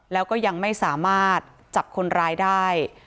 แล้วก็ยังไม่สามารถจับคนร้ายได้